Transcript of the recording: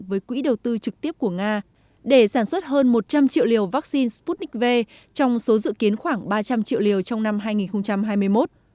với quỹ đầu tư trực tiếp của nga để sản xuất hơn một trăm linh triệu liều vaccine sputnik v trong số dự kiến khoảng ba trăm linh triệu liều trong năm hai nghìn hai mươi một